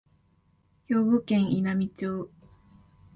兵庫県稲美町